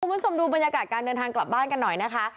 คุณผู้ชมดูบรรยากาศการเดินทางกลับบ้านกันหน่อยนะคะ